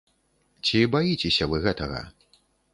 Ці баіцеся вы гэтага?